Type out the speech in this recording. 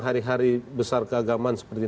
hari hari besar keagaman seperti